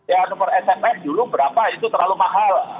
yang nomor sms dulu berapa itu terlalu mahal